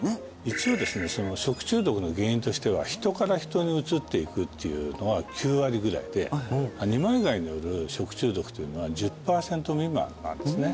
一応ですね食中毒の原因としては人から人にうつっていくっていうのは９割ぐらいで二枚貝による食中毒というのは１０パーセント未満なんですね